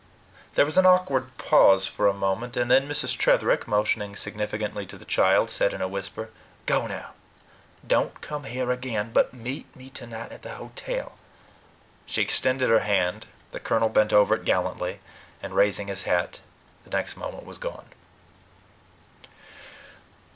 There was an awkward pause for a moment; and then Mrs. Tretherick, motioning significantly to the child, said in a whisper: "Go now. Don't come here again, but meet me tonight at the hotel." She extended her hand: the colonel bent over it gallantly and, raising his hat, the next moment was gone.